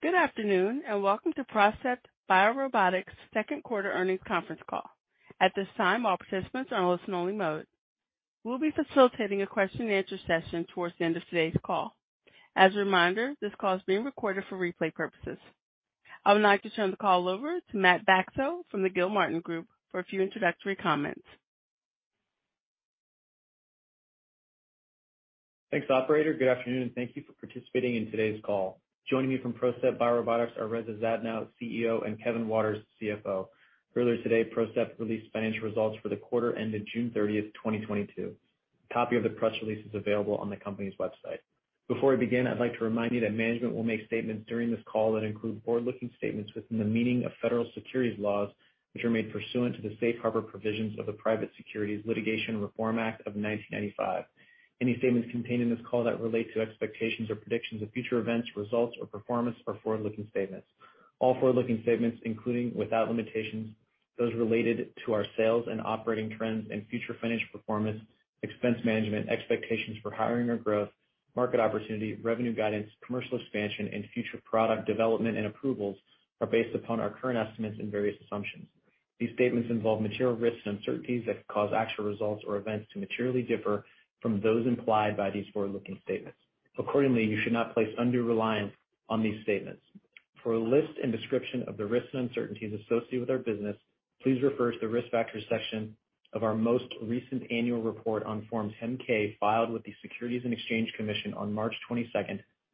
Good afternoon, and welcome to PROCEPT BioRobotics' Q2 earnings conference call. At this time, all participants are in listen-only mode. We'll be facilitating a question-and-answer session towards the end of today's call. As a reminder, this call is being recorded for replay purposes. I would now like to turn the call over to Matt Bacso from the Gilmartin Group for a few introductory comments. Thanks, operator. Good afternoon, and thank you for participating in today's call. Joining me from PROCEPT BioRobotics are Reza Zadno, CEO, and Kevin Waters, CFO. Earlier today, PROCEPT released financial results for the quarter ending June 30, 2022. A copy of the press release is available on the company's website. Before we begin, I'd like to remind you that management will make statements during this call that include forward-looking statements within the meaning of federal securities laws, which are made pursuant to the Safe Harbor provisions of the Private Securities Litigation Reform Act of 1995. Any statements contained in this call that relate to expectations or predictions of future events, results, or performance are forward-looking statements. All forward-looking statements, including without limitation, those related to our sales and operating trends and future financial performance, expense management, expectations for hiring or growth, market opportunity, revenue guidance, commercial expansion, and future product development and approvals, are based upon our current estimates and various assumptions. These statements involve material risks and uncertainties that could cause actual results or events to materially differ from those implied by these forward-looking statements. Accordingly, you should not place undue reliance on these statements. For a list and description of the risks and uncertainties associated with our business, please refer to the Risk Factors section of our most recent annual report on Form 10-K filed with the Securities and Exchange Commission on March 22,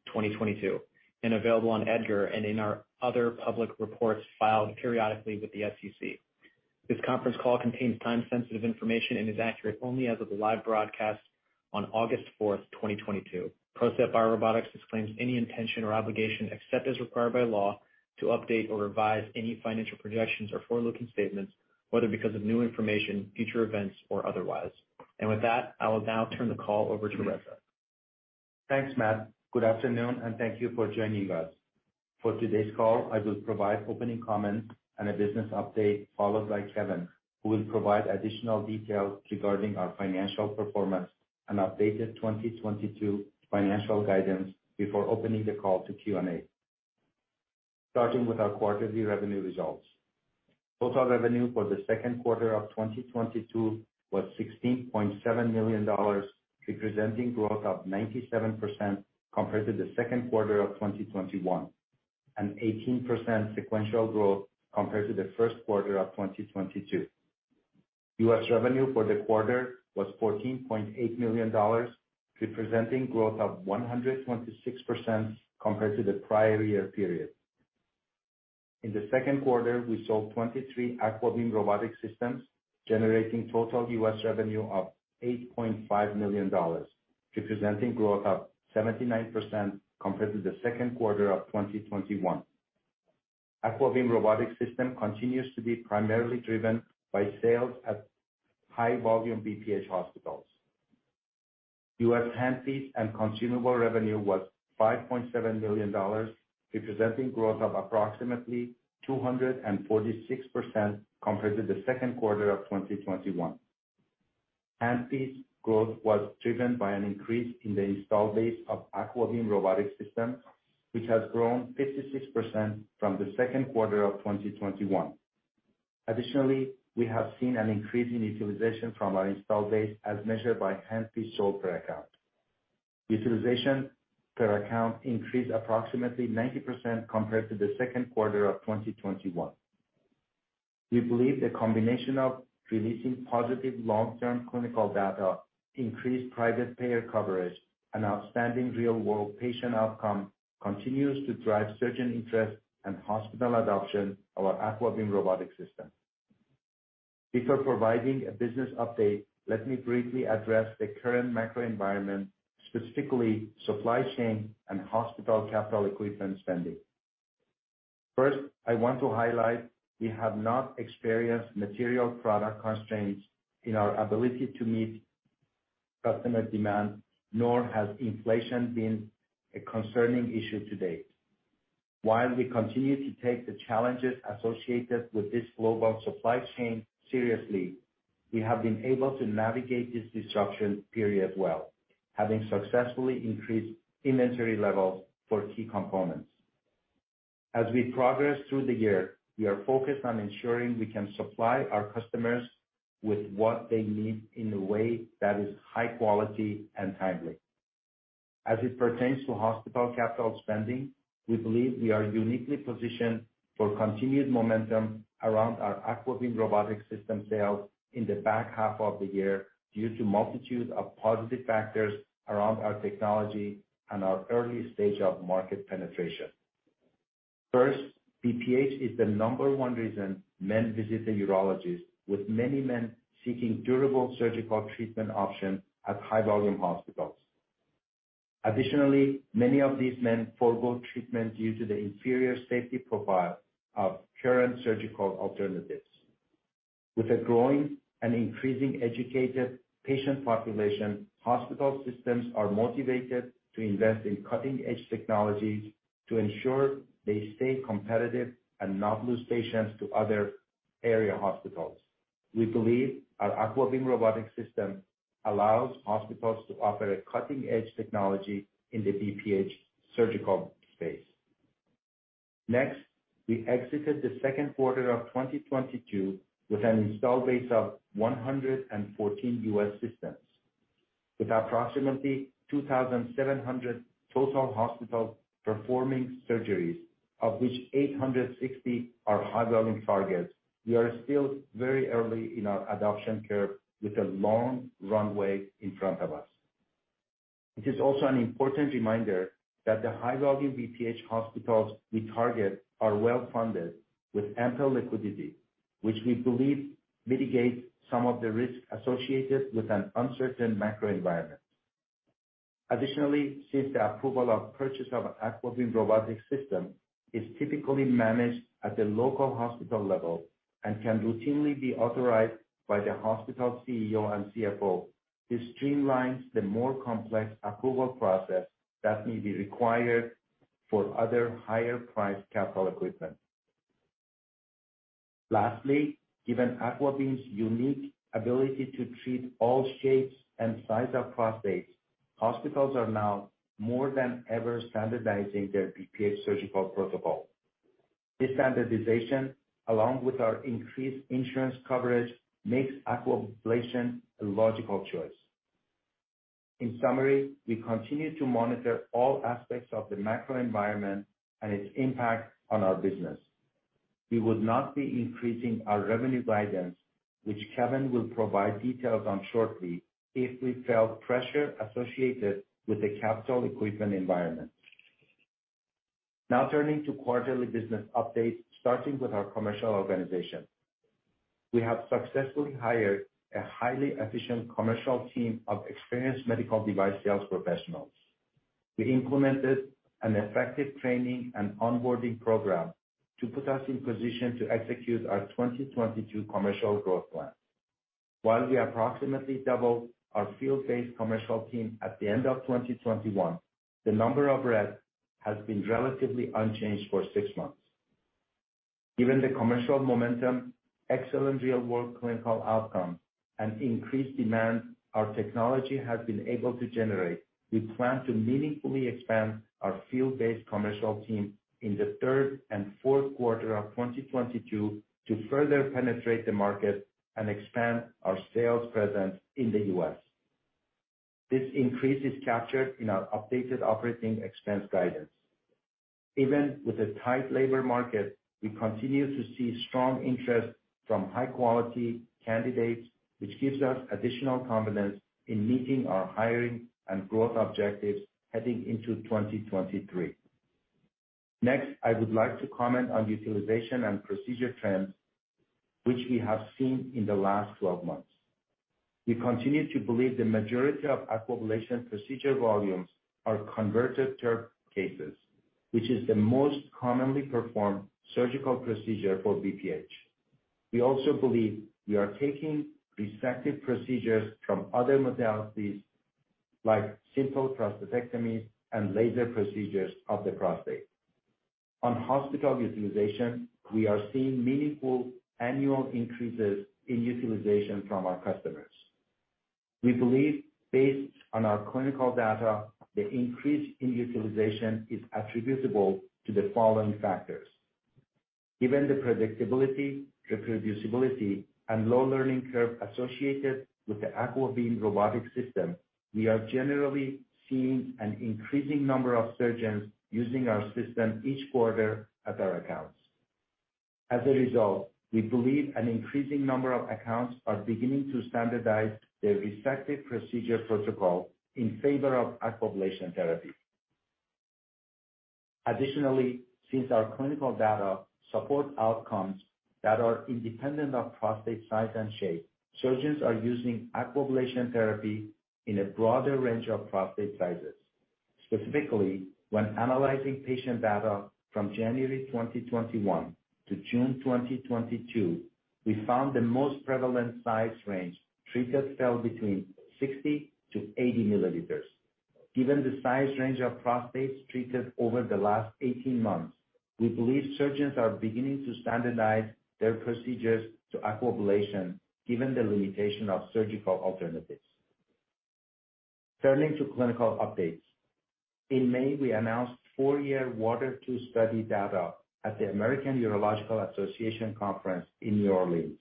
2022, and available on EDGAR and in our other public reports filed periodically with the SEC. This conference call contains time-sensitive information and is accurate only as of the live broadcast on August 4th, 2022. PROCEPT BioRobotics disclaims any intention or obligation, except as required by law, to update or revise any financial projections or forward-looking statements, whether because of new information, future events, or otherwise. With that, I will now turn the call over to Reza. Thanks, Matt. Good afternoon, and thank you for joining us. For today's call, I will provide opening comments and a business update, followed by Kevin, who will provide additional details regarding our financial performance and updated 2022 financial guidance before opening the call to Q&A. starting with our quarterly revenue results. Total revenue for the Q2 of 2022 was $16.7 million, representing growth of 97% compared to the Q2 of 2021, and 18% sequential growth compared to the first quarter of 2022. U.S. revenue for the quarter was $14.8 million, representing growth of 126% compared to the prior year period. In the Q2, we sold 23 AquaBeam Robotic Systems, generating total U.S. revenue of $8.5 million, representing growth of 79% compared to the Q2 of 2021. AquaBeam Robotic System continues to be primarily driven by sales at high volume BPH hospitals. U.S. handpiece and consumable revenue was $5.7 million, representing growth of approximately 246% compared to the Q2 of 2021. Handpiece growth was driven by an increase in the installed date of AquaBeam Robotic System, which has grown 56% from the Q2 of 2021. Additionally, we have seen an increase in utilization from our install base as measured by handpiece sold per account. Utilization per account increased approximately 90% compared to the Q2 of 2021. We believe the combination of releasing positive long-term clinical data, increased private payer coverage, and outstanding real-world patient outcome continues to drive surgeon interest and hospital adoption of AquaBeam Robotic System. before providing a business update, let me briefly address the current macro environment, specifically supply chain and hospital capital equipment spending. First, I want to highlight we have not experienced material product constraints in our ability to meet customer demand, nor has inflation been a concerning issue to date. While we continue to take the challenges associated with this global supply chain seriously, we have been able to navigate this disruption period well, having successfully increased inventory levels for key components. As we progress through the year, we are focused on ensuring we can supply our customers with what they need in a way that is high quality and timely. As it pertains to hospital capital spending, we believe we are uniquely positioned for continued momentum around our AquaBeam Robotic System sales in the back half of the year due to multitude of positive factors around our technology and our early stage of market penetration. First, BPH is the number one reason men visit the urologist, with many men seeking durable surgical treatment options at high volume hospitals. Additionally, many of these men forgo treatment due to the inferior safety profile of current surgical alternatives. With a growing and increasing educated patient population, hospital systems are motivated to invest in cutting-edge technologies to ensure they stay competitive and not lose patients to other area hospitals. We believe our AquaBeam Robotic System allows hospitals to offer a cutting-edge technology in the BPH surgical space. Next, we exited the Q2 of 2022 with an installed base of 114 U.S. systems. With approximately 2,700 total hospitals performing surgeries, of which 860 are high-volume targets, we are still very early in our adoption curve with a long runway in front of us. It is also an important reminder that the high-volume BPH hospitals we target are well-funded with ample liquidity, which we believe mitigates some of the risks associated with an uncertain macro environment. Additionally, since the approval of purchase of AquaBeam Robotic System is typically managed at the local hospital level and can routinely be authorized by the hospital CEO and CFO, this streamlines the more complex approval process that may be required for other higher-priced capital equipment. Lastly, given AquaBeam's unique ability to treat all shapes and sizes of prostates, hospitals are now more than ever standardizing their BPH surgical protocol. This standardization, along with our increased insurance coverage, makes Aquablation a logical choice. In summary, we continue to monitor all aspects of the macro environment and its impact on our business. We would not be increasing our revenue guidance, which Kevin will provide details on shortly, if we felt pressure associated with the capital equipment environment. Now turning to quarterly business updates, starting with our commercial organization. We have successfully hired a highly efficient commercial team of experienced medical device sales professionals. We implemented an effective training and onboarding program to put us in position to execute our 2022 commercial growth plan. While we approximately doubled our field-based commercial team at the end of 2021, the number of reps has been relatively unchanged for six months. Given the commercial momentum, excellent real-world clinical outcome, and increased demand our technology has been able to generate, we plan to meaningfully expand our field-based commercial team in the third and fourth quarter of 2022 to further penetrate the market and expand our sales presence in the U.S.. This increase is captured in our updated operating expense guidance. Even with a tight labor market, we continue to see strong interest from high-quality candidates, which gives us additional confidence in meeting our hiring and growth objectives heading into 2023. Next, I would like to comment on utilization and procedure trends which we have seen in the last 12 months. We continue to believe the majority of Aquablation procedure volumes are converted TURP cases, which is the most commonly performed surgical procedure for BPH. We also believe we are taking resective procedures from other modalities like simple prostatectomies and laser procedures of the prostate. On hospital utilization, we are seeing meaningful annual increases in utilization from our customers. We believe based on our clinical data, the increase in utilization is attributable to the following factors. Given the predictability, reproducibility, and low learning curve associated with the AquaBeam Robotic System, we are generally seeing an increasing number of surgeons using our system each quarter at our accounts. As a result, we believe an increasing number of accounts are beginning to standardize their resective procedure protocol in favor of Aquablation therapy. Additionally, since our clinical data support outcomes that are independent of prostate size and shape, surgeons are using Aquablation therapy in a broader range of prostate sizes. Specifically, when analyzing patient data from January 2021 to June 2022, we found the most prevalent size range treated fell between 60-80 ml. Given the size range of prostates treated over the last 18 months, we believe surgeons are beginning to standardize their procedures to Aquablation given the limitation of surgical alternatives. Turning to clinical updates. In May, we announced four-year WATER II study data at the American Urological Association conference in New Orleans.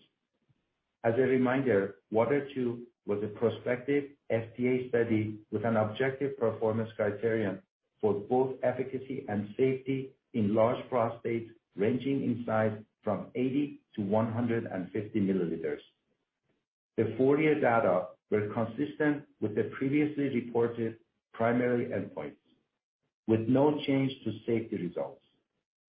As a reminder, WATER II was a prospective FDA study with an objective performance criterion for both efficacy and safety in large prostates ranging in size from 80-150 ml. The four-year data were consistent with the previously reported primary endpoints with no change to safety results.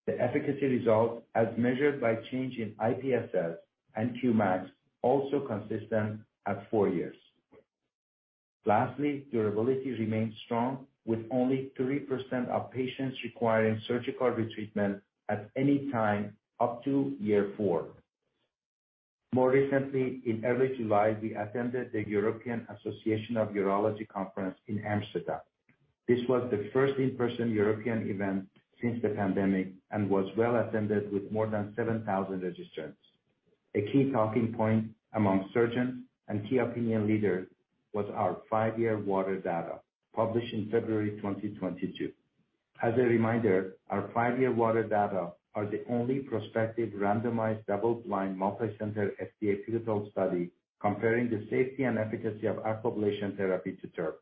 The efficacy result as measured by change in IPSS and Qmax also consistent at four years. Lastly, durability remains strong with only 3% of patients requiring surgical retreatment at any time up to year four. More recently, in early July, we attended the European Association of Urology conference in Amsterdam. This was the first in-person European event since the pandemic and was well attended with more than 7,000 registrants. A key talking point among surgeons and key opinion leaders was our five-year WATER data published in February 2022. As a reminder, our five-year WATER data are the only prospective randomized double-blind multi-center FDA clinical study comparing the safety and efficacy of Aquablation therapy to TURP.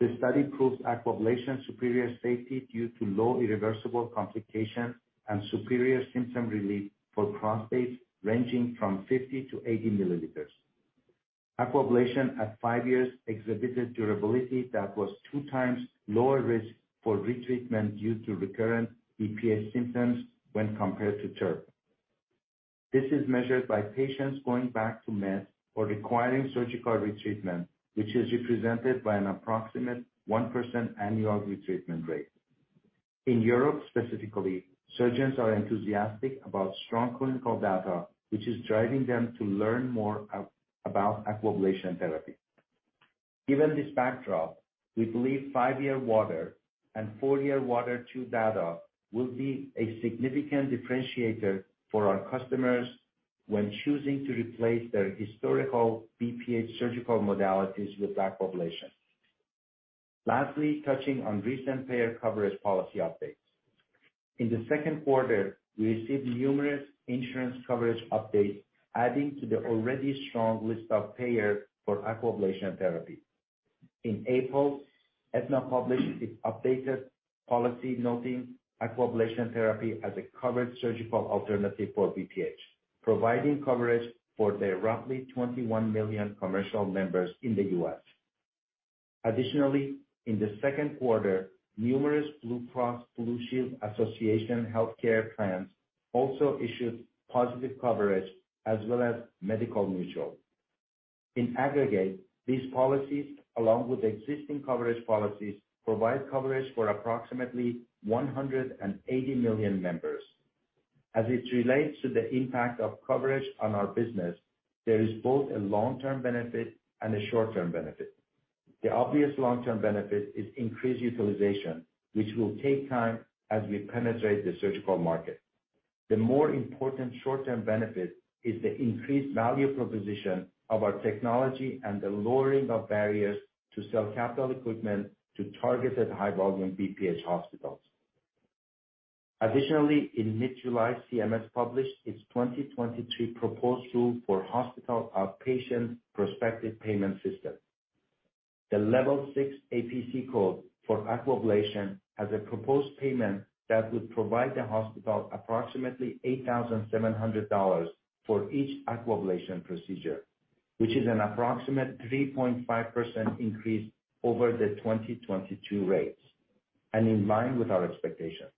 The study proves Aquablation superior safety due to low irreversible complications and superior symptom relief for prostates ranging from 50-80 ml. Aquablation at five years exhibited durability that was two times lower risk for retreatment due to recurrent BPH symptoms when compared to TURP. This is measured by patients going back to meds or requiring surgical retreatment, which is represented by an approximate 1% annual retreatment rate. In Europe specifically, surgeons are enthusiastic about strong clinical data, which is driving them to learn more about Aquablation therapy. Given this backdrop, we believe five-year WATER and four-year WATER II data will be a significant differentiator for our customers when choosing to replace their historical BPH surgical modalities with Aquablation. Lastly, touching on recent payer coverage policy updates. In the Q2, we received numerous insurance coverage updates adding to the already strong list of payers for Aquablation therapy. In April, Aetna published its updated policy noting Aquablation therapy as a covered surgical alternative for BPH, providing coverage for their roughly 21 million commercial members in the U.S.. Additionally, in the Q2, numerous Blue Cross Blue Shield Association healthcare plans also issued positive coverage as well as Medical Mutual. In aggregate, these policies, along with existing coverage policies, provide coverage for approximately 180 million members. As it relates to the impact of coverage on our business, there is both a long-term benefit and a short-term benefit. The obvious long-term benefit is increased utilization, which will take time as we penetrate the surgical market. The more important short-term benefit is the increased value proposition of our technology and the lowering of barriers to sell capital equipment to targeted high-volume BPH hospitals. Additionally, in mid-July, CMS published its 2022 proposed rule for Hospital Outpatient Prospective Payment System. The Level 6 APC code for Aquablation has a proposed payment that would provide the hospital approximately $8,700 for each Aquablation procedure, which is an approximate 3.5% increase over the 2022 rates, and in line with our expectations.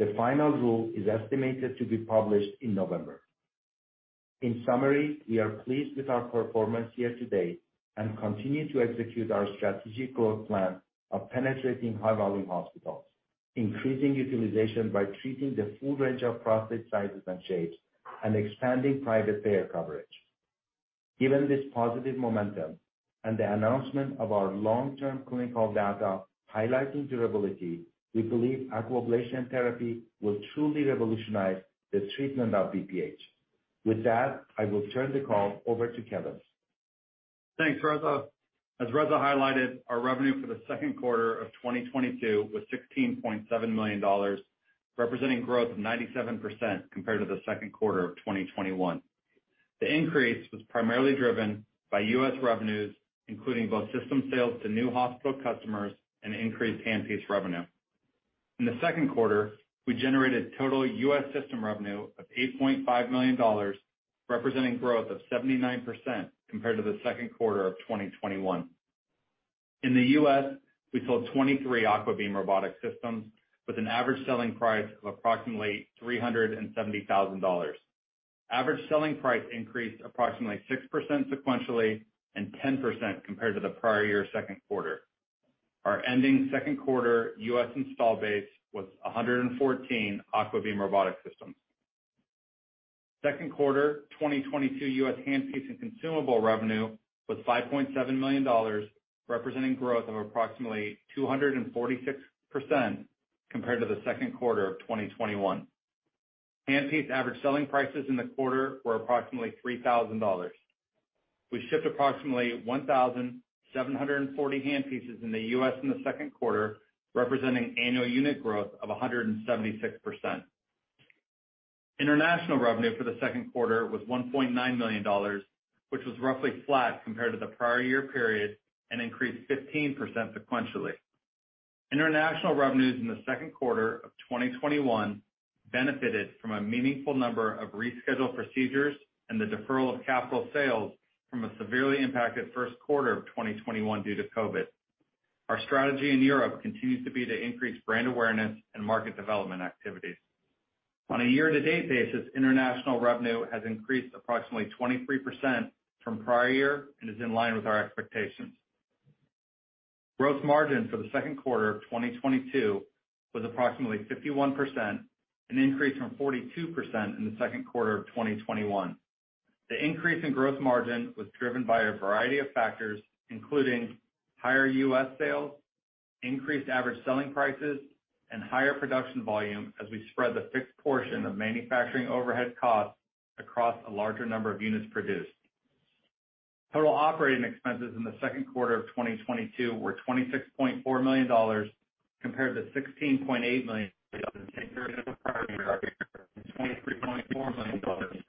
The final rule is estimated to be published in November. In summary, we are pleased with our performance year-to-date and continue to execute our strategic growth plan of penetrating high-volume hospitals, increasing utilization by treating the full range of prostate sizes and shapes, and expanding private payer coverage. Given this positive momentum and the announcement of our long-term clinical data highlighting durability, we believe Aquablation therapy will truly revolutionize the treatment of BPH. With that, I will turn the call over to Kevin. Thanks, Reza. As Reza highlighted, our revenue for the Q2 of 2022 was $16.7 million, representing growth of 97% compared to the Q2 of 2021. The increase was primarily driven by U.S. revenues, including both system sales to new hospital customers and increased handpiece revenue. In the Q2, we generated total U.S. system revenue of $8.5 million, representing growth of 79% compared to the Q2 of 2021. In the U.S., we sold 23 AquaBeam Robotic Systems with an average selling price of approximately $370,000. Average selling price increased approximately 6% sequentially and 10% compared to the prior year Q2. Our ending Q2 U.S. install base was 114 AquaBeam Robotic Systems. Q2 2022 U.S. handpiece and consumable revenue was $5.7 million, representing growth of approximately 246% compared to the Q2 of 2021. Handpiece average selling prices in the quarter were approximately $3,000. We shipped approximately 1,740 handpieces in the U.S. in the Q2, representing annual unit growth of 176%. International revenue for the Q2 was $1.9 million, which was roughly flat compared to the prior year period and increased 15% sequentially. International revenues in the Q2 of 2021 benefited from a meaningful number of rescheduled procedures and the deferral of capital sales from a severely impacted first quarter of 2021 due to COVID. Our strategy in Europe continues to be to increase brand awareness and market development activities. On a year-to-date basis, international revenue has increased approximately 23% from prior year and is in line with our expectations. Gross margin for the Q2 of 2022 was approximately 51%, an increase from 42% in the Q2 of 2021. The increase in gross margin was driven by a variety of factors, including higher U.S. sales, increased average selling prices, and higher production volume as we spread the fixed portion of manufacturing overhead costs across a larger number of units produced. Total operating expenses in the Q2 of 2022 were $26.4 million compared to $16.8 million in the first quarter of 2022. The increase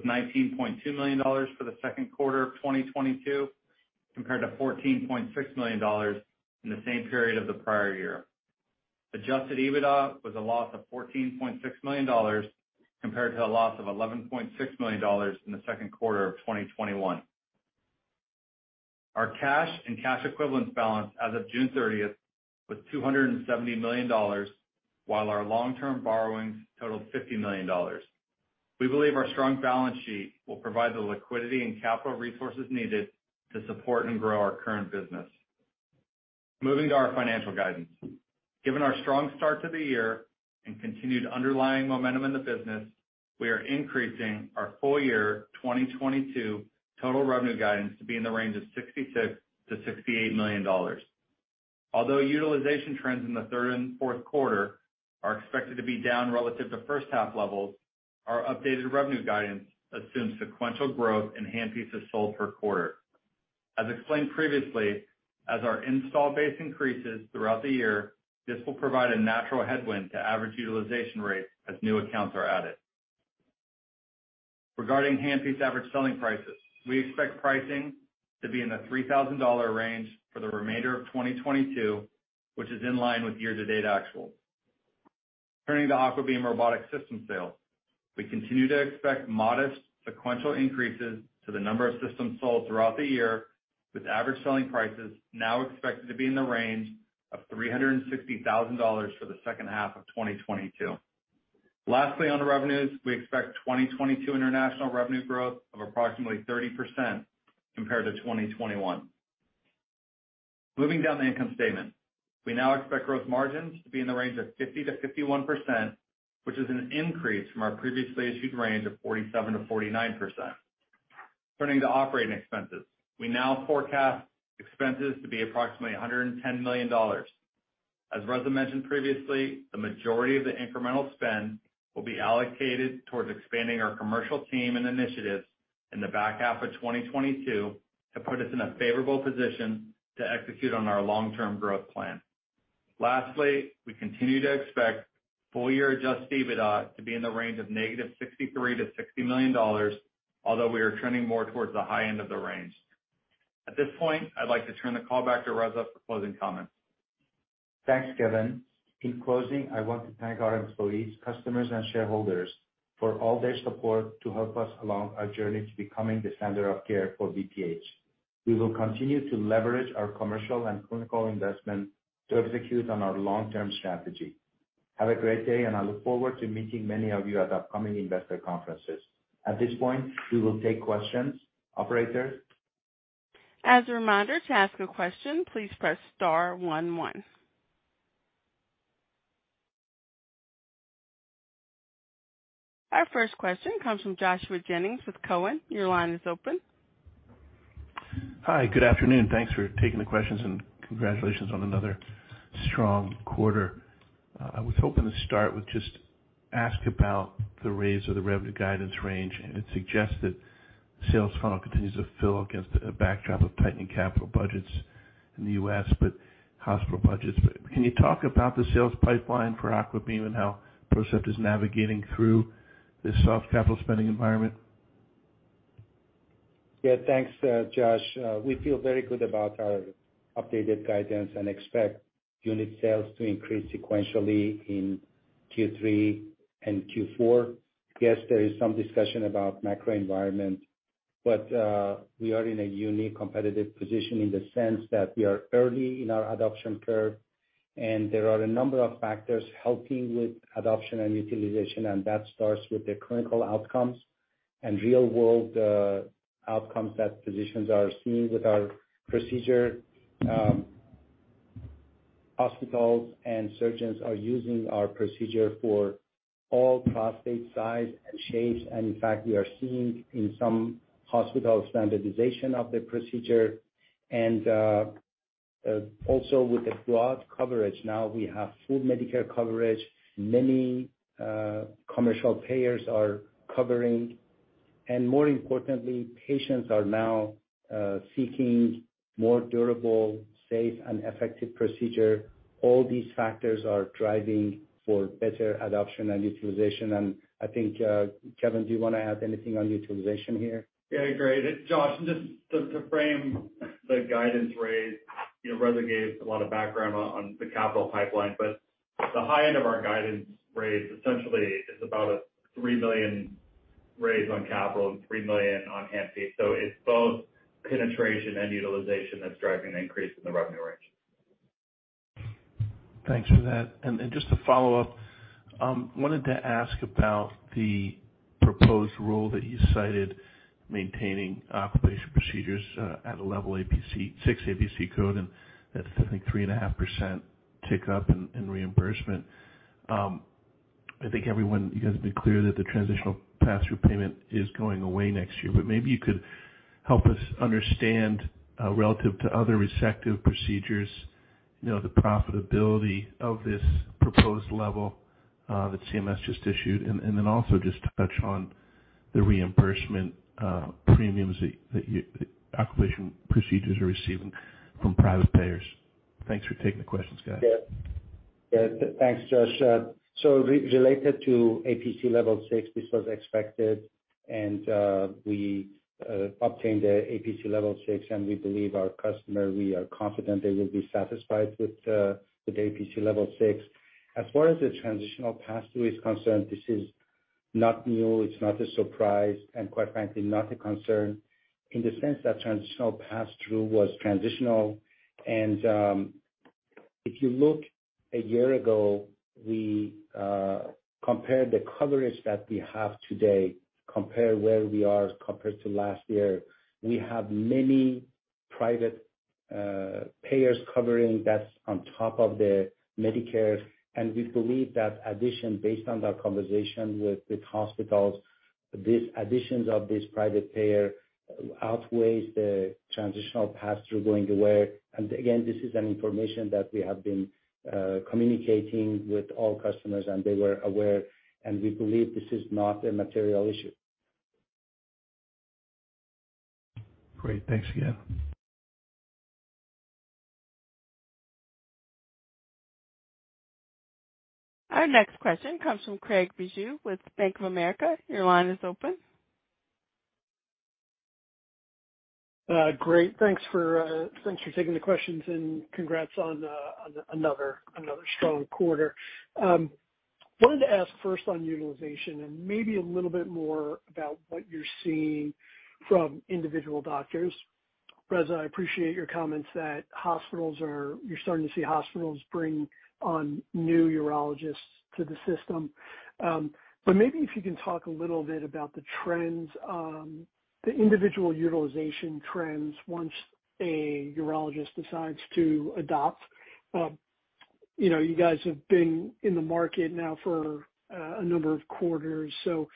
was primarily driven by increased compensation, general and administrative expenses, and the sales organization, and increased expenses associated with. Net loss was $19.2 million for the Q2 of 2022, compared to $14.6 million in the same period of the prior year. Adjusted EBITDA was a loss of $14.6 million compared to a loss of $11.6 million in the Q2 of 2021. Our cash and cash equivalents balance as of June 30 was $270 million, while our long-term borrowings totaled $50 million. We believe our strong balance sheet will provide the liquidity and capital resources needed to support and grow our current business. Moving to our financial guidance. Given our strong start to the year and continued underlying momentum in the business, we are increasing our full-year 2022 total revenue guidance to be in the range of $66 million-$68 million. Although utilization trends in the third and fourth quarter are expected to be down relative to first half levels, our updated revenue guidance assumes sequential growth in handpiece sales per quarter. As explained previously, as our install base increases throughout the year, this will provide a natural headwind to average utilization rate as new accounts are added. Regarding handpiece average selling prices, we expect pricing to be in the $3,000 range for the remainder of 2022, which is in line with year-to-da te actuals. Turning to AquaBeam Robotic System sales. We continue to expect modest sequential increases to the number of systems sold throughout the year, with average selling prices now expected to be in the range of $360,000 for the second half of 2022. Lastly, on the revenues, we expect 2022 international revenue growth of approximately 30% compared to 2021. Moving down the income statement. We now expect gross margins to be in the range of 50%-51%, which is an increase from our previously issued range of 47%-49%. Turning to operating expenses. We now forecast expenses to be approximately $110 million. As Reza mentioned previously, the majority of the incremental spend will be allocated towards expanding our commercial team and initiatives in the back half of 2022 to put us in a favorable position to execute on our long-term growth plan. Lastly, we continue to expect full-year adjusted EBITDA to be in the range of -$63 million to -$60 million, although we are trending more towards the high end of the range. At this point, I'd like to turn the call back to Reza for closing comments. Thanks, Kevin. In closing, I want to thank our employees, customers, and shareholders for all their support to help us along our journey to becoming the center of care for BPH. We will continue to leverage our commercial and clinical investment to execute on our long-term strategy. Have a great day, and I look forward to meeting many of you at upcoming investor conferences. At this point, we will take questions. Operator? As a reminder, to ask a question, please press star one one. Our first question comes from Joshua Jennings with Cowen. Your line is open. Hi. Good afternoon. Thanks for taking the questions, and congratulations on another strong quarter. I was hoping to start with just ask about the raise of the revenue guidance range, and it suggests that sales funnel continues to fill against a backdrop of tightening capital budgets in the U.S., but hospital budgets. Can you talk about the sales pipeline for AquaBeam and how PROCEPT is navigating through this soft capital spending environment? Yeah, thanks, Josh. We feel very good about our updated guidance and expect unit sales to increase sequentially in Q3 and Q4. Yes, there is some discussion about macro environment, but we are in a unique competitive position in the sense that we are early in our adoption curve, and there are a number of factors helping with adoption and utilization, and that starts with the clinical outcomes and real-world outcomes that physicians are seeing with our procedure. Hospitals and surgeons are using our procedure for all prostate size and shapes, and in fact, we are seeing in some hospitals standardization of the procedure. Also with the broad coverage, now we have full Medicare coverage. Many commercial payers are covering, and more importantly, patients are now seeking more durable, safe, and effective procedure. All these factors are driving for better adoption and utilization. I think, Kevin, do you wanna add anything on utilization here? Yeah, great. Josh, just to frame the guidance raise, you know, Reza gave a lot of background on the capital pipeline, but the high end of our guidance raise essentially is about a $3 million raise on capital and $3 million on handpiece. It's both penetration and utilization that's driving the increase in the revenue range. Thanks for that. And just to follow up, wanted to ask about the proposed rule that you cited maintaining Aquablation procedures at a Level 6 APC code, and that's I think 3.5% tick up in reimbursement. I think everyone, you guys have been clear that the transitional pass-through payment is going away next year, but maybe you could help us understand relative to other resective procedures, you know, the profitability of this proposed level that CMS just issued. Then also just touch on the reimbursement premiums that Aquablation procedures are receiving from private payers. Thanks for taking the questions, guys. Yeah. Thanks, Josh. So related to APC Level 6, this was expected and we obtained the APC Level 6 and we believe our customer, we are confident they will be satisfied with APC Level 6. As far as the transitional pass-through is concerned, this is not new, it's not a surprise, and quite frankly, not a concern in the sense that transitional pass-through was transitional. If you look a year ago, we compare the coverage that we have today, compare where we are compared to last year, we have many private payers covering. That's on top of the Medicare. We believe that addition, based on our conversation with hospitals, these additions of this private payer outweighs the transitional pass-through going away. Again, this is an information that we have been communicating with all customers and they were aware, and we believe this is not a material issue. Great. Thanks again. Our next question comes from Craig Bijou with Bank of America. Your line is open. Great. Thanks for taking the questions and congrats on another strong quarter. Wanted to ask first on utilization and maybe a little bit more about what you're seeing from individual doctors. Reza, I appreciate your comments that hospitals are. You're starting to see hospitals bring on new urologists to the system. Maybe if you can talk a little bit about the trends, the individual utilization trends once a urologist decides to adopt. You know, you guys have been in the market now for a number of quarters, so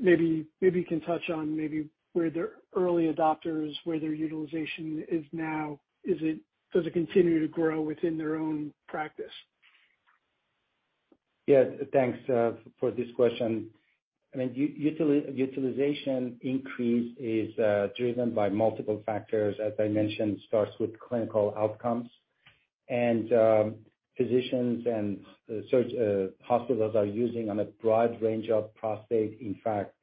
maybe you can touch on where their early adopters, where their utilization is now. Does it continue to grow within their own practice? Yes. Thanks for this question. I mean, utilization increase is driven by multiple factors. As I mentioned, it starts with clinical outcomes. Physicians and surgeons and hospitals are using on a broad range of prostate. In fact,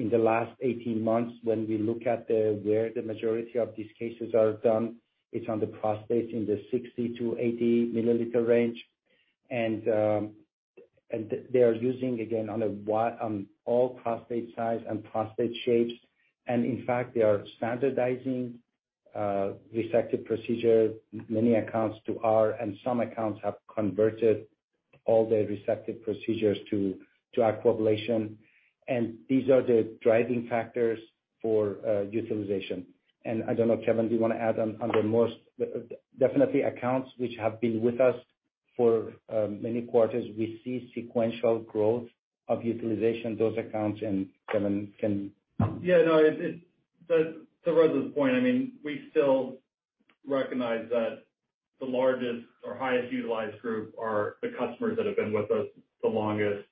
in the last 18 months, when we look at where the majority of these cases are done, it's on the prostate in the 60-80 ml range. They are using, again, on all prostate size and prostate shapes. In fact, they are standardizing resective procedure in many accounts to Aquablation. Some accounts have converted all their resective procedures to Aquablation. These are the driving factors for utilization. I don't know, Kevin, do you wanna add on. Definitely accounts which have been with us for many quarters, we see sequential growth of utilization, those accounts and Kevin can- To Reza's point, I mean, we still recognize that the largest or highest utilized group are the customers that have been with us the longest.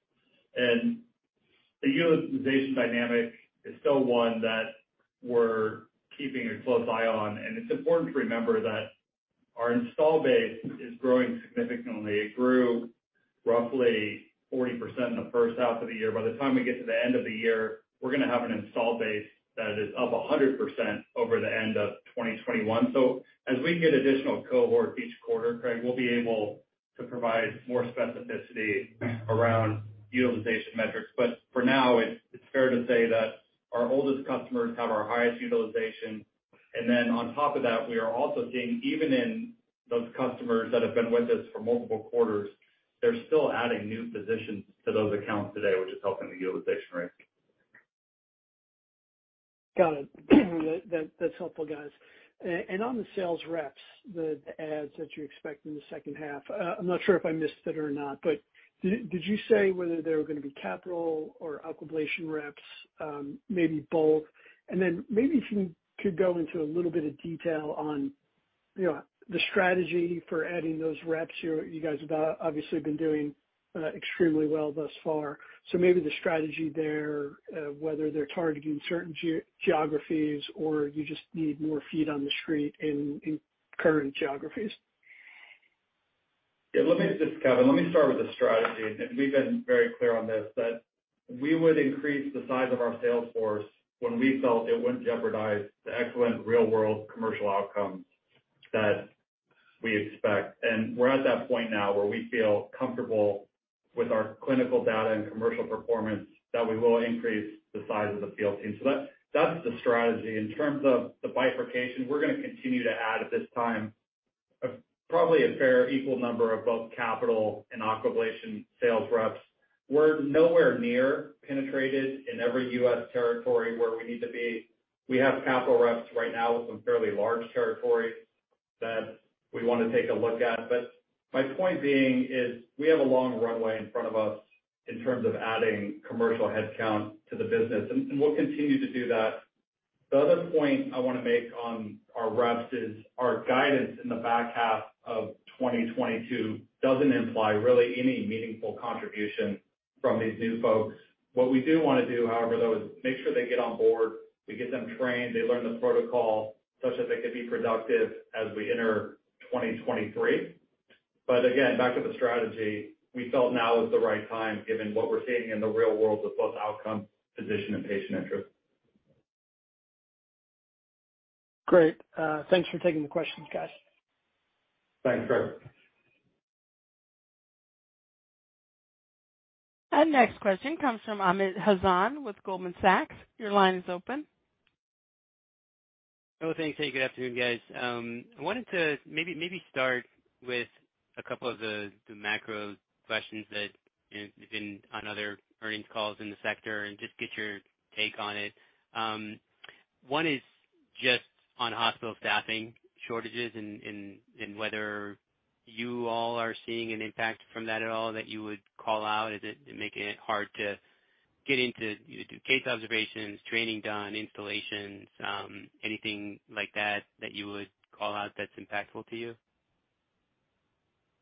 The utilization dynamic is still one that we're keeping a close eye on. It's important to remember that our install base is growing significantly. It grew roughly 40% in the first half of the year. By the time we get to the end of the year, we're gonna have an install base that is up 100% over the end of 2021. As we get additional cohort each quarter, Craig, we'll be able to provide more specificity around utilization metrics. For now, it's fair to say that our oldest customers have our highest utilization. On top of that, we are also seeing, even in those customers that have been with us for multiple quarters, they're still adding new physicians to those accounts today, which is helping the utilization rate. Got it. That's helpful, guys. On the sales reps, the adds that you expect in the second half, I'm not sure if I missed it or not, but did you say whether they were gonna be capital or Aquablation reps, maybe both? Maybe if you could go into a little bit of detail on the strategy for adding those reps. You guys have obviously been doing extremely well thus far. Maybe the strategy there, whether they're targeting certain geographies or you just need more feet on the street in current geographies. Yeah, let me just, it's Kevin, let me start with the strategy. We've been very clear on this, that we would increase the size of our sales force when we felt it wouldn't jeopardize the excellent real world commercial outcomes that we expect. We're at that point now where we feel comfortable with our clinical data and commercial performance that we will increase the size of the field team. That, that's the strategy. In terms of the bifurcation, we're gonna continue to add at this time, probably a fairly equal number of both capital and Aquablation sales reps. We're nowhere near penetrated in every U.S. territory where we need to be. We have capital reps right now with some fairly large territories that we wanna take a look at. My point being is we have a long runway in front of us in terms of adding commercial headcount to the business, and we'll continue to do that. The other point I wanna make on our reps is our guidance in the back half of 2022 doesn't imply really any meaningful contribution from these new folks. What we do wanna do, however, though, is make sure they get on board, we get them trained, they learn the protocol such that they could be productive as we enter 2023. Again, back to the strategy, we felt now is the right time given what we're seeing in the real world with both outcome, physician, and patient interest. Great. Thanks for taking the questions, guys. Thanks, Craig. Our next question comes from Amit Hazan with Goldman Sachs. Your line is open. Oh, thanks. Hey, good afternoon, guys. I wanted to maybe start with a couple of the macro questions that you've been on other earnings calls in the sector and just get your take on it. One is just on hospital staffing shortages and whether you all are seeing an impact from that at all that you would call out. Is it making it hard to get into do case observations, training done, installations, anything like that you would call out that's impactful to you?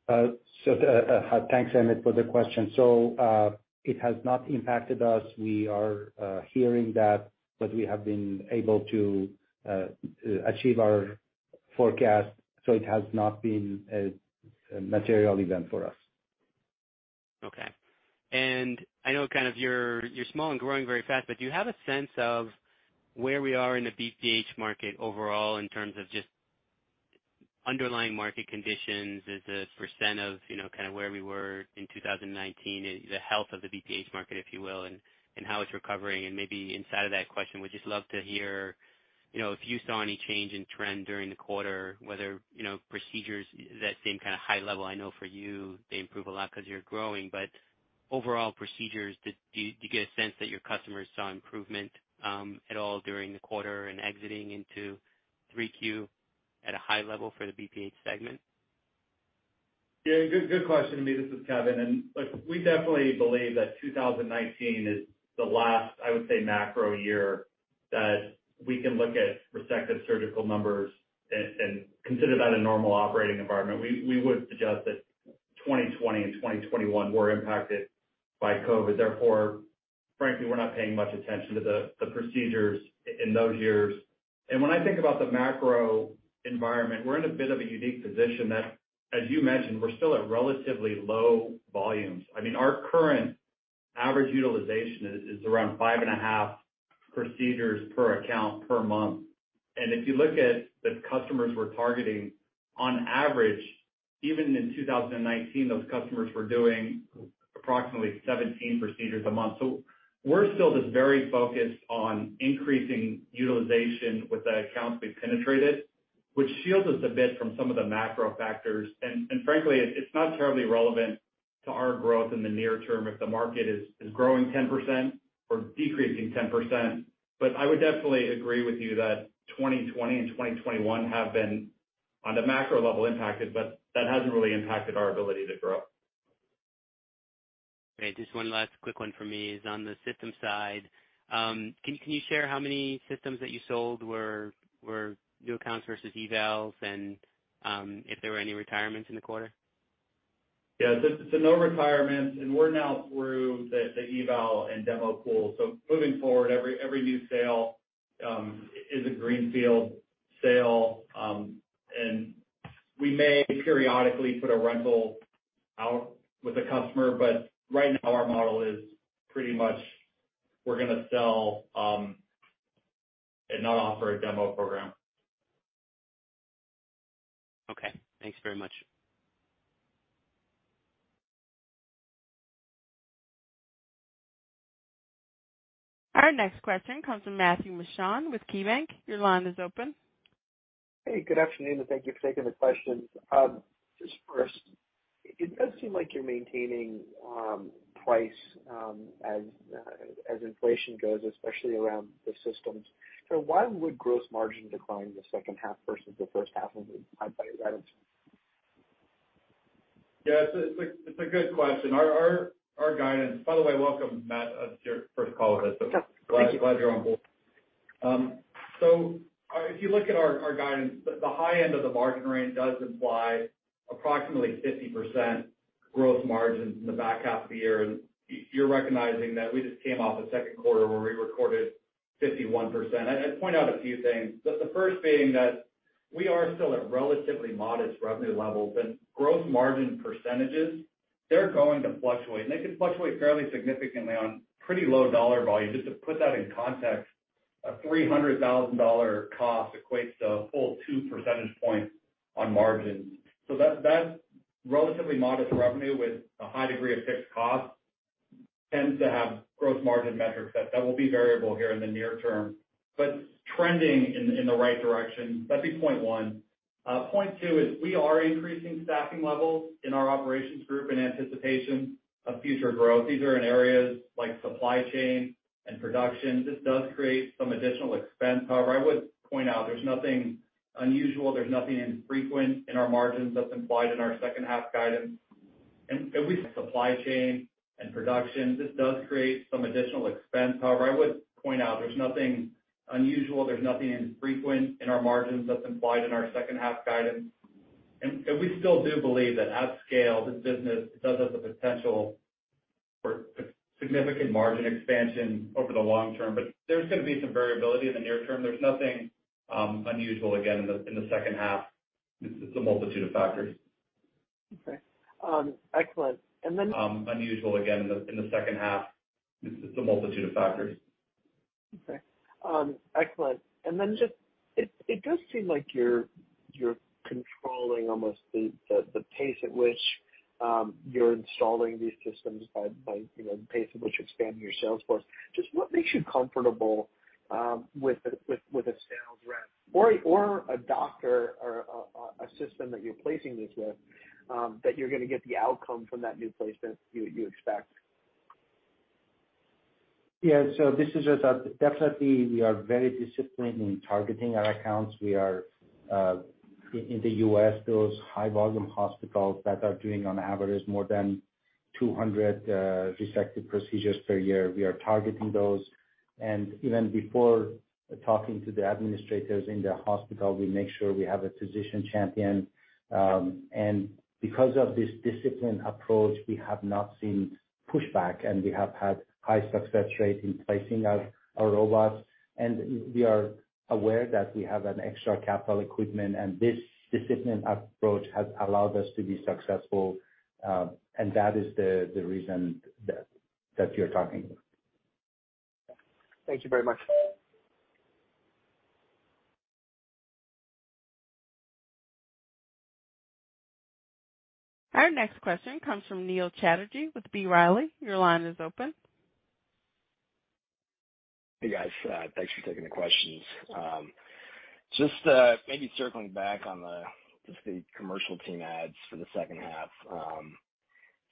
Thanks, Amit, for the question. It has not impacted us. We are hearing that, but we have been able to achieve our forecast, so it has not been a material event for us. Okay. I know kind of you're small and growing very fast, but do you have a sense of where we are in the BPH market overall in terms of just underlying market conditions as a percent of, you know, kind of where we were in 2019, the health of the BPH market, if you will, and how it's recovering? Maybe inside of that question, would just love to hear, you know, if you saw any change in trend during the quarter, whether, you know, procedures that same kinda high level I know for you they improve a lot 'cause you're growing. But overall procedures, did you get a sense that your customers saw improvement at all during the quarter and exiting into 3Q at a high level for the BPH segment? Good question. Amit, this is Kevin. Look, we definitely believe that 2019 is the last, I would say, macro year that we can look at resective surgical numbers and consider that a normal operating environment. We would suggest that 2020 and 2021 were impacted by COVID. Therefore, frankly, we're not paying much attention to the procedures in those years. When I think about the macro environment, we're in a bit of a unique position that, as you mentioned, we're still at relatively low volumes. I mean, our current average utilization is around five and a half procedures per account per month. If you look at the customers we're targeting, on average, even in 2019, those customers were doing approximately 17 procedures a month. We're still just very focused on increasing utilization with the accounts we've penetrated, which shields us a bit from some of the macro factors. Frankly, it's not terribly relevant to our growth in the near term if the market is growing 10% or decreasing 10%. I would definitely agree with you that 2020 and 2021 have been, on the macro level, impacted, but that hasn't really impacted our ability to grow. Okay, just one last quick one for me is on the system side. Can you share how many systems that you sold were new accounts versus evals and if there were any retirements in the quarter? No retirements, and we're now through the eval and demo pool. Moving forward, every new sale is a greenfield sale. We may periodically put a rental out with a customer, but right now our model is pretty much we're gonna sell, and not offer a demo program. Okay. Thanks very much. Our next question comes from Matthew Mishan with KeyBanc. Your line is open. Hey, good afternoon, and thank you for taking the questions. Just first, it does seem like you're maintaining price as inflation goes, especially around the systems. Why would gross margin decline in the second half versus the first half of the year? Yeah. It's a good question. Our guidance. By the way, welcome, Matt, it's your first call with us. Yeah. Thank you. Glad you're on board. If you look at our guidance, the high end of the margin range does imply approximately 50% gross margin in the back half of the year. You're recognizing that we just came off a Q2 where we recorded 51%. I'd point out a few things. The first being that we are still at relatively modest revenue levels, but gross margin percentages, they're going to fluctuate, and they can fluctuate fairly significantly on pretty low dollar volume. Just to put that in context. A $300,000 cost equates to a full 2 percentage points on margins. That relatively modest revenue with a high degree of fixed costs tends to have gross margin metrics that will be variable here in the near term, but trending in the right direction. That'd be point one. Point two is we are increasing staffing levels in our operations group in anticipation of future growth. These are in areas like supply chain and production. This does create some additional expense. However, I would point out there's nothing unusual, there's nothing infrequent in our margins that's implied in our second half guidance. We still do believe that at scale, this business does have the potential for significant margin expansion over the long term. But there's gonna be some variability in the near term. There's nothing unusual, again, in the second half. It's a multitude of factors. Okay. Excellent. Unusual, again, in the second half. It's a multitude of factors. Okay. Excellent. Just it does seem like you're controlling almost the pace at which you're installing these systems by, you know, the pace at which expanding your sales force. Just what makes you comfortable with a sales rep or a doctor or a system that you're placing this with that you're gonna get the outcome from that new placement you expect? Yeah. This is just definitely we are very disciplined in targeting our accounts. We are in the U.S., those high volume hospitals that are doing on average more than 200 resective procedures per year. We are targeting those. Even before talking to the administrators in the hospital, we make sure we have a physician champion. Because of this disciplined approach, we have not seen pushback, and we have had high success rate in placing our robots. We are aware that we have expensive capital equipment, and this disciplined approach has allowed us to be successful, and that is the reason that you're talking. Thank you very much. Our next question comes from Neil Chatterji with B. Riley. Your line is open. Hey, guys. Thanks for taking the questions. Just maybe circling back on the commercial team adds for the second half.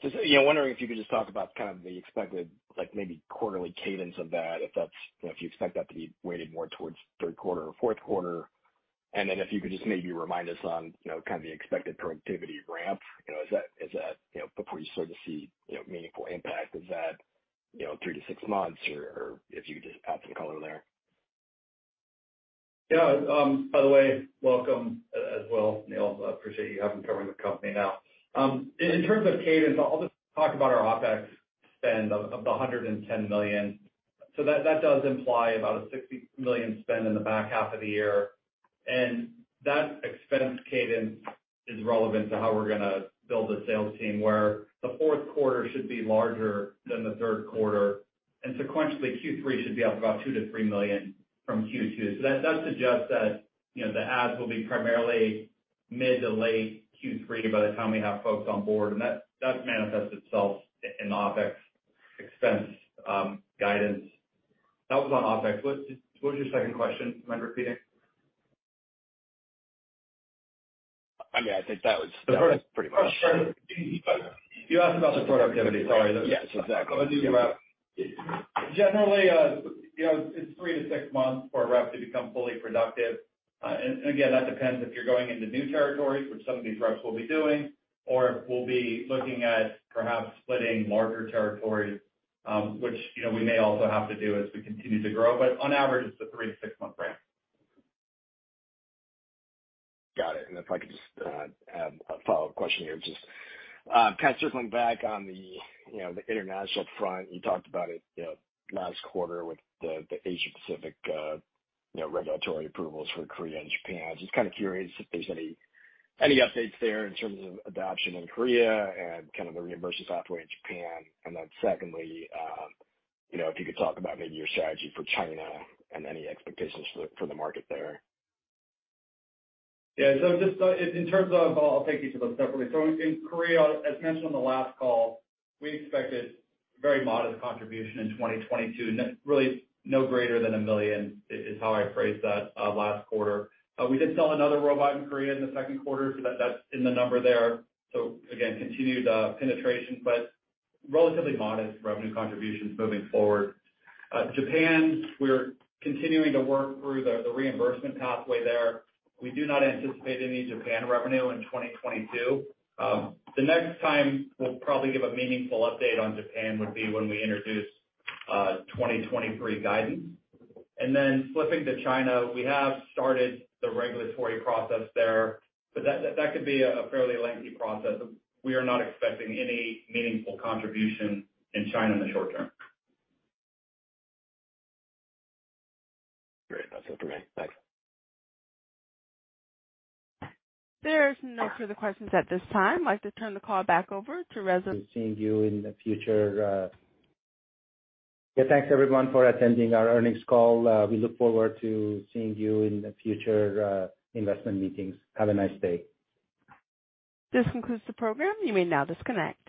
Just, you know, wondering if you could just talk about kind of the expected like maybe quarterly cadence of that, if that's, you know, if you expect that to be weighted more towards third quarter or fourth quarter. Then if you could just maybe remind us on, you know, kind of the expected productivity ramp, you know. Is that, you know, before you start to see, you know, meaningful impact, is that, you know, three to six months or if you could just add some color there. Yeah. By the way, welcome as well, Neil. I appreciate you covering the company now. In terms of cadence, I'll just talk about our OpEx spend of the $110 million. That does imply about a $60 million spend in the back half of the year. That expense cadence is relevant to how we're gonna build a sales team where the fourth quarter should be larger than the third quarter. Sequentially, Q3 should be up about $2 million-$3 million from Q2. That does suggest that, you know, the adds will be primarily mid to late Q3 by the time we have folks on board. That manifests itself in the OpEx expense guidance. That was on OpEx. What was your second question? Do you mind repeating? I mean, I think that was. The first- That was pretty much it. Oh, sorry. You asked about the productivity. Sorry. Yes, exactly. Generally, you know, it's three to six months for a rep to become fully productive. And again, that depends if you're going into new territories, which some of these reps will be doing, or if we'll be looking at perhaps splitting larger territories, which, you know, we may also have to do as we continue to grow. On average, it's a three to six-month ramp. Got it. If I could just add a follow-up question here. Just kind of circling back on the international front. You talked about it, you know, last quarter with the Asia-Pacific, you know, regulatory approvals for Korea and Japan. Just kind of curious if there's any updates there in terms of adoption in Korea and kind of the reimbursement scenario in Japan. Secondly, you know, if you could talk about maybe your strategy for China and any expectations for the market there. Yeah. Just in terms of... Well, I'll take each of those separately. In Korea, as mentioned on the last call, we expected very modest contribution in 2022. No, really no greater than $1 million is how I phrased that last quarter. We did sell another robot in Korea in the Q2, so that's in the number there. Again, continued penetration, but relatively modest revenue contributions moving forward. Japan, we're continuing to work through the reimbursement pathway there. We do not anticipate any Japan revenue in 2022. The next time we'll probably give a meaningful update on Japan would be when we introduce 2023 guidance. Flipping to China, we have started the regulatory process there, but that could be a fairly lengthy process. We are not expecting any meaningful contribution in China in the short term. Great. That's it for me. Thanks. There's no further questions at this time. I'd like to turn the call back over to Reza. See you in the future. Thanks, everyone, for attending our earnings call. We look forward to seeing you in the future investment meetings. Have a nice day. This concludes the program. You may now disconnect.